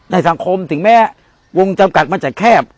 ในสังคมถึงแม้วงจำกัดมันชัดแครวก็แขลบ